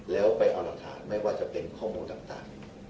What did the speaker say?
แล้วไปเอาหลักฐานไม่ว่าจะเป็นข้อมูลต่าง